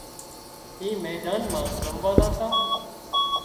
اي ميدان مان رموا زاتان